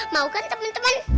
mau kan teman teman